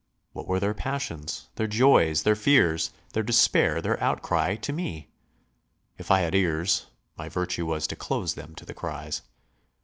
What were their passions, their joys, their fears, their despair, their outcry, to me? If I had ears, my virtue was to close them to the cries.